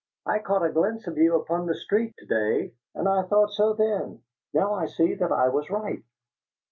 "I caught a glimpse of you upon the street, to day, and I thought so then. Now I see that I was right."